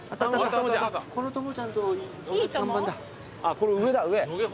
これ上だ上。